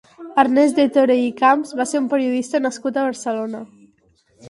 Ernest Dethorey i Camps va ser un periodista nascut a Barcelona.